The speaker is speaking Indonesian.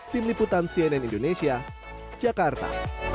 tim liputan cnn indonesia jakarta